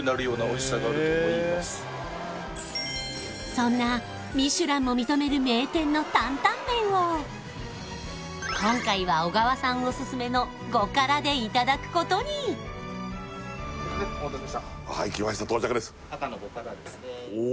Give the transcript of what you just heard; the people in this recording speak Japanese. そんなミシュランも認める名店の担々麺を今回は小川さんオススメの５辛でいただくことにはいきました到着です